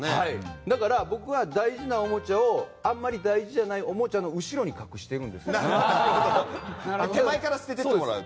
だから、僕は大事なおもちゃをあまり大事じゃないおもちゃの後ろに手前から捨てていってもらう。